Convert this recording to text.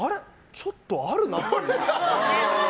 ちょっとあるなって。